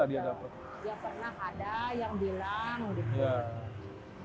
dia pernah ada yang bilang gitu